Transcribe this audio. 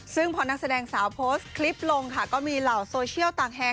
ซึ่งพอนักแสดงสาวโพสต์คลิปลงค่ะก็มีเหล่าโซเชียลต่างแฮง